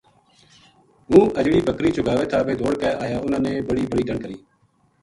ہو اجڑی بکری چُگاوے تھا ویہ دوڑ کے آیا اُنھاں نے بڑی بڑی ڈنڈ کری